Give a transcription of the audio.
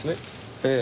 ええ。